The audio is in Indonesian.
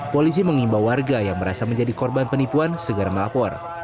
polisi mengimbau warga yang merasa menjadi korban penipuan segera melapor